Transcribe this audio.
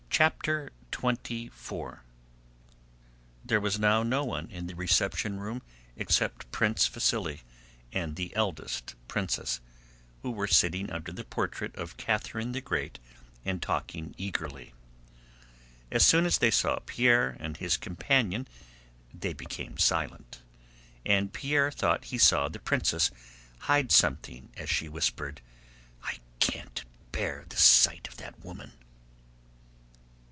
Pierre went out. CHAPTER XXIV There was now no one in the reception room except Prince Vasíli and the eldest princess, who were sitting under the portrait of Catherine the Great and talking eagerly. As soon as they saw Pierre and his companion they became silent, and Pierre thought he saw the princess hide something as she whispered: "I can't bear the sight of that woman."